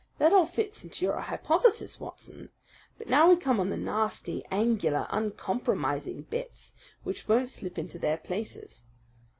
That all fits into your hypothesis, Watson. But now we come on the nasty, angular, uncompromising bits which won't slip into their places.